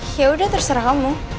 ya udah terserah kamu